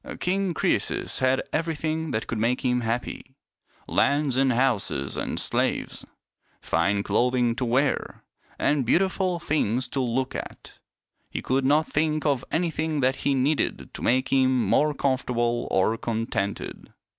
King Croesus had everything that could make him happy — lands and houses and slaves, fine clothing to wear, and beautiful things to look at. He could not think of anything that he needed to make him more comfortable or contented.